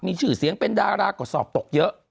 มีชื่อเสียงเป็นดาราก็สอบตกเยอะ